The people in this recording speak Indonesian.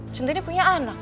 centini punya anak